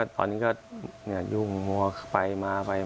ก็ตอนนี้ก็เหนือยุ่งมัวไปมาอย่างนี้